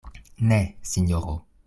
Ne, sinjoro.